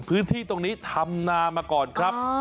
พื้นที่ตรงนี้ทำนามาก่อนครับ